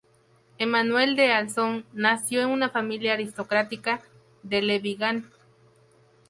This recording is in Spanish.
Emmanuel d’Alzon nació en una familia aristocrática de Le Vigan.